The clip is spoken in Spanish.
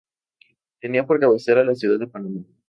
Tenía por cabecera a la ciudad de Panamá.